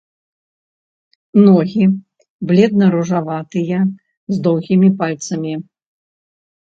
Ногі бледна ружаватыя з доўгімі пальцамі.